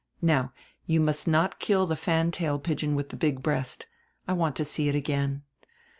Now, you must not kill die fan tail pigeon widi die big breast; I want to see it again.